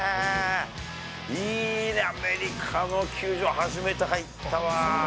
いいね、アメリカの球場、初めて入ったわ。